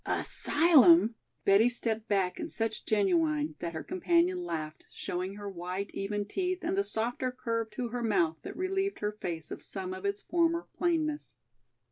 "Asylum!" Betty stepped back in such genuine that her companion laughed, showing her white, even teeth and the softer curve to her mouth that relieved her face of some of its former plainness.